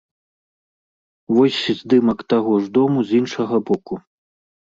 Вось здымак таго ж дому з іншага боку.